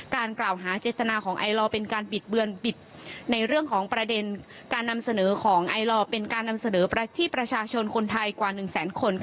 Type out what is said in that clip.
กล่าวหาเจตนาของไอลอเป็นการบิดเบือนบิดในเรื่องของประเด็นการนำเสนอของไอลอร์เป็นการนำเสนอที่ประชาชนคนไทยกว่า๑แสนคน